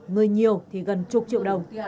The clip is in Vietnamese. người nhiều thì gần chục triệu đồng